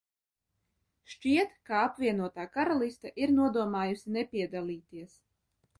Šķiet, ka Apvienotā Karaliste ir nodomājusi nepiedalīties.